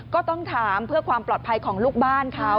ก็ต้องถามเพื่อความปลอดภัยของลูกบ้านเขา